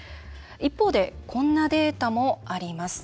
一方でこんなデータもあります。